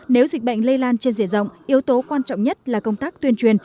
nếu dịch bệnh lây lan trên diện rộng yếu tố quan trọng nhất là công tác tuyên truyền